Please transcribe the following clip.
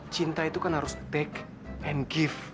cinta itu kan harus take and give